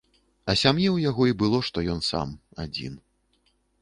А сям'і ў яго і было, што ён сам, адзін.